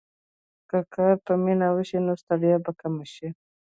که کار په مینه وشي، نو ستړیا به کمه شي.